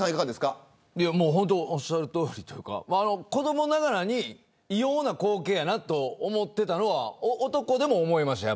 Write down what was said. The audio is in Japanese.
おっしゃるとおりというか子どもながらに異様な光景やなと思っていたのは男でも思いました。